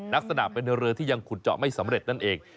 ลักษณะเป็นเรือที่ยังขุดเจาะไม่สำเร็จนั่นเอง